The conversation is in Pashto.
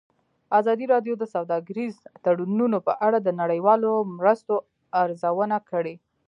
ازادي راډیو د سوداګریز تړونونه په اړه د نړیوالو مرستو ارزونه کړې.